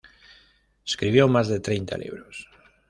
Escribió más de treinta libros.